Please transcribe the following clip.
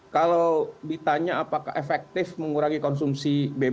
kalau ditanya apakah efektif mengurangi konsumsi bbm